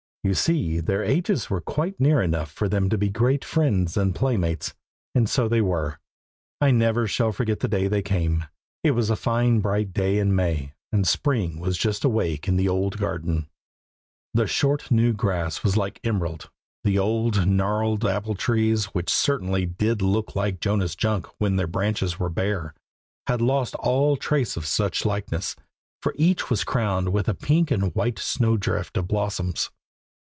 You see their ages were quite near enough for them all to be great friends and playmates, and so they were. I never shall forget the day they came. It was a fine bright day in May, and Spring was just awake in the old garden. The short new grass was like emerald; the old gnarled apple trees, which certainly did look like Jonas Junk when their branches were bare, had lost all trace of such likeness, for each was crowned with a pink and white snowdrift of blossoms.